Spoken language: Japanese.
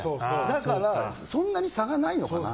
だから、そんなに差がないのかな。